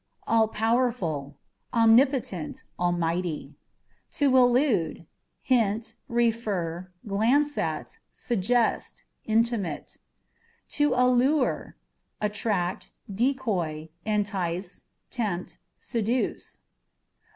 All Powerful â€" omnipotent, almighty. To Allude â€" hint, refer, glance at, suggest, intimate. To Allure â€" attract, decoy, entice, tempt, seduce.